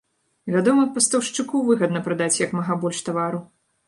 Вядома, пастаўшчыку выгадна прадаць як мага больш тавару.